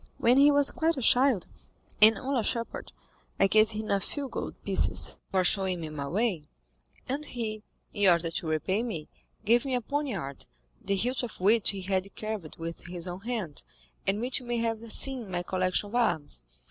When he was quite a child, and only a shepherd, I gave him a few gold pieces for showing me my way, and he, in order to repay me, gave me a poniard, the hilt of which he had carved with his own hand, and which you may have seen in my collection of arms.